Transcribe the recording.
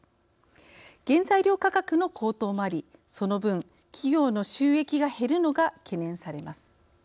原材料価格の高騰もありその分企業の収益が減るのが懸念されます。